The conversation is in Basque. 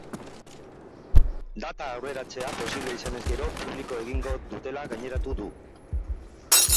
Data aurreratzea posible izanez gero, publiko egingo dutela gaineratu du.